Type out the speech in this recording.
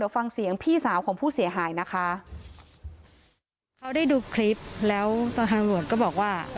ฟังเสียงพี่สาวของผู้เสียหายนะคะเขาได้ดูคลิปแล้วตอนทางรวจก็บอกว่า